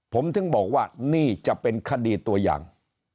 ผมถึงบอกว่านี่จะเป็นคดีตัวอย่าง